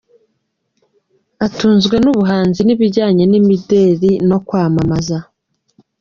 Atunzwe n’ubuhanzi n’ibijyanye n’imideli no kwamamaza.